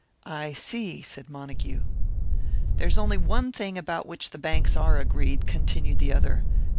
"I see," said Montague. "There's only one thing about which the banks are agreed," continued the other.